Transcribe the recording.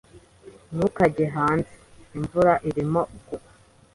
Ntukajye hanze. Imvura irimo kugwa.